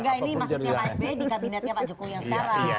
enggak ini maksudnya pak sby di kabinetnya pak jokowi yang sekarang